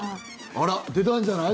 あら、出たんじゃない？